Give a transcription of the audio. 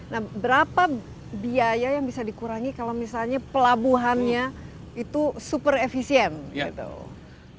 nah berapa biaya yang bisa dikurangi kalau misalnya pelabuhannya itu super efisien gitu